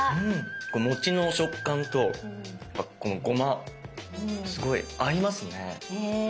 餅の食感とこのごますごい合いますね。